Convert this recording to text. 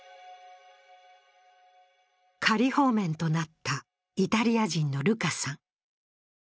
仮放免となったイタリア人のルカさん。